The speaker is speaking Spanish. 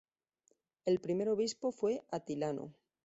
El primer obispo fue Atilano.